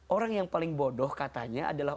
orang yang paling bodoh katanya adalah